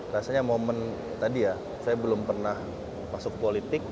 rasanya momen tadi ya saya belum pernah masuk politik